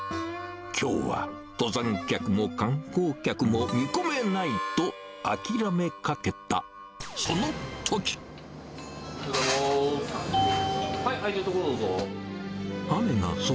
きょうは登山客も観光客も見込めないと諦めかけた、おはようございます。